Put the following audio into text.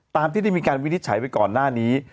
ตามที่ได้มีการวินิจฉัยไปก่อนหน้านี้